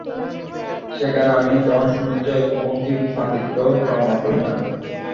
সেখানে আমি ধন, সৌন্দর্য, এমন কি পাণ্ডিত্যও কামনা করি না।